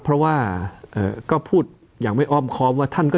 เพราะว่าก็พูดอย่างไม่อ้อมคอมว่าท่านก็